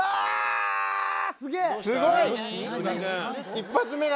１発目が。